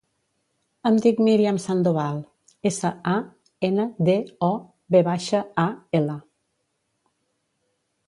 Em dic Míriam Sandoval: essa, a, ena, de, o, ve baixa, a, ela.